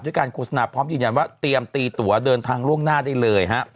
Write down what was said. การโฆษณาพร้อมยืนยันว่าเตรียมตีตัวเดินทางล่วงหน้าได้เลยฮะ